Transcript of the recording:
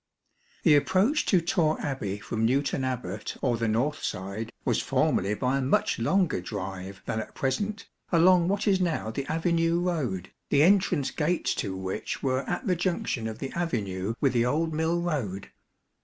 THE approach to Torre Abbey from Newton Abbot or the north side, was formerly by a much longer drive than at present, along what is now the Avenue Road, the entrance gates to which were at the junction of the Avenue with the Old Mill Eoad.